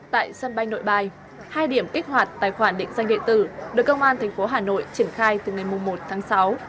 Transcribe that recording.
tại sân bay nội bài hai điểm kích hoạt tài khoản định danh điện tử được công an tp hà nội triển khai từ ngày một tháng sáu